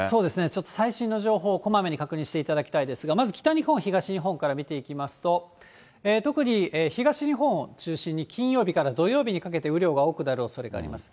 ちょっと最新の情報をこまめに確認していただきたいですが、まず北日本、東日本から見ていきますと、特に東日本を中心に、金曜日から土曜日にかけて、雨量が多くなるおそれがあります。